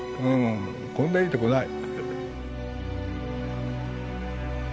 こんないいとこない。